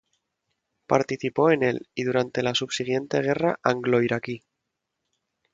Participó en el y, durante la subsiguiente Guerra anglo-iraquí.